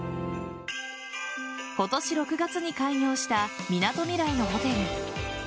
今年６月に開業したみなとみらいのホテル。